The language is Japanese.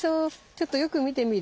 ちょっとよく見てみる？